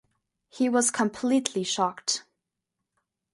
He was completely shocked.